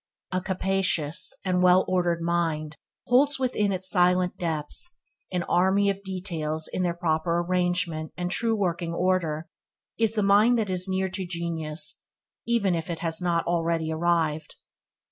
A capacious and well ordered mind, which holds within its silent depths an army of details in their proper arrangement and true working order, is the mind that is near to genius, even if it has not already arrived.